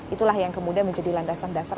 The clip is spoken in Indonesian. itulah yang kemudian menjadi landasan dasar